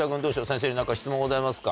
先生に何か質問ございますか？